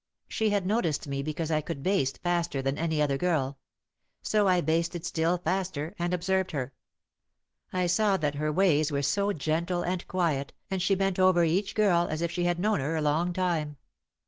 She had noticed me because I could baste faster than any other girl. So I basted still faster and observed her. I saw that her ways were so gentle and quiet and she bent over each girl as if she had known her a long time.